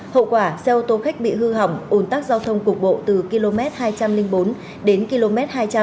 hậu quả xe ô tô khách bị hư hỏng ồn tắc giao thông cục bộ từ km hai trăm linh bốn đến km hai trăm linh